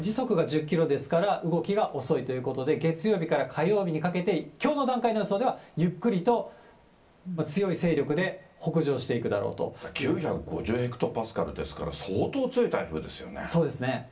時速が１０キロですから、動きが遅いということで、月曜日から火曜日にかけて、きょうの段階の予想では、ゆっくりと強い勢力で北９５０ヘクトパスカルですかそうですね。